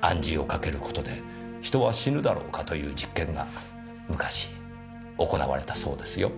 暗示をかける事で人は死ぬだろうかという実験が昔行われたそうですよ。